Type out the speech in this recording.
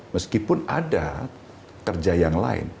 meskipun ada kerja yang lain